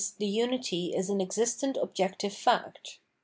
the unity is an existent objective fact, YOL.